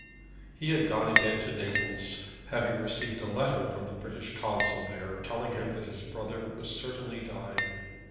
He had gone again to Naples, having received a letter from the British Consul there telling him that his brother was certainly dying.